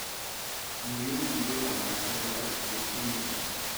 Murió debido a la avanzada edad de sí mismo.